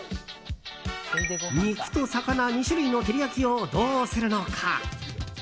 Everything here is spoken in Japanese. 肉と魚２種類の照り焼きをどうするのか。